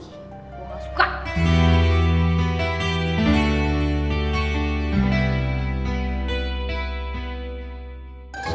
gue gak suka